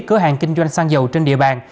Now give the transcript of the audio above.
cửa hàng kinh doanh xăng dầu trên địa bàn